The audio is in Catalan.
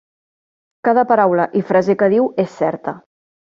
Cada paraula i frase que diu és certa.